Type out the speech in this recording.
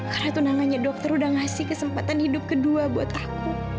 karena tunangannya dokter udah ngasih kesempatan hidup kedua buat aku